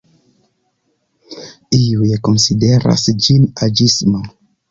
Iuj konsideras ĝin aĝisma.